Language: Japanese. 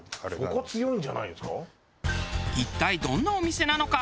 一体どんなお店なのか？